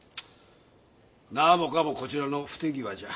何もかもこちらの不手際じゃ。